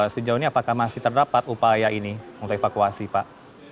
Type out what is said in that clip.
sejauh ini apakah masih terdapat upaya ini untuk evakuasi pak